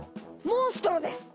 モンストロです！